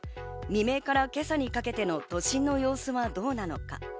未明から今朝にかけての都心の様子はどうなのか。